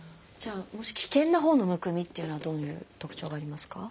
危険なほうのむくみっていうのはどういう特徴がありますか？